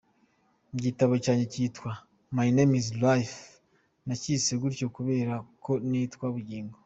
Igitabo cyanjye kitwa “My name is Life” nakise gutyo kubera ko nitwa Bugingo.